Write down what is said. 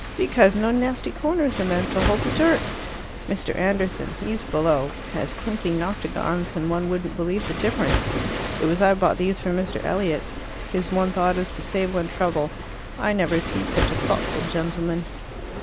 "Because no nasty corners in them to hold the dirt. Mr. Anderson he's below has crinkly noctagons, and one wouldn't believe the difference. It was I bought these for Mr. Elliot. His one thought is to save one trouble. I never seed such a thoughtful gentleman.